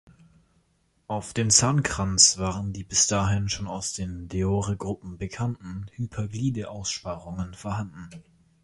Auf dem Zahnkranz waren die bis dahin schon aus den Deore-Gruppen bekannten Hyperglide-Aussparungen vorhanden.